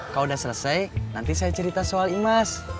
kalau udah selesai nanti saya cerita soal imas